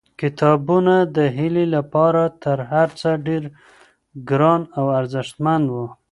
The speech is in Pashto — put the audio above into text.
کتابونه د هیلې لپاره تر هر څه ډېر ګران او ارزښتمن وو.